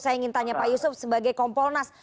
saya ingin tanya pak yusuf sebagai kompolnas